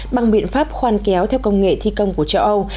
bằng biện pháp khoan kéo theo công nghệ thi công của châu âu